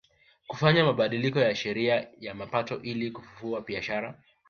Kufanya mabadiliko ya sheria ya mapato ili kufufua biashara